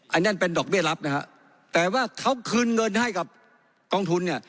อันนั้นเป็นดอกเบี้ยรับนะฮะแต่ว่าเขาคืนเงินให้กับกองทุนเนี่ย